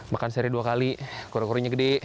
makan seri dua kali kura kurunya gede